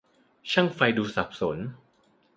ช่างไฟดูสับสน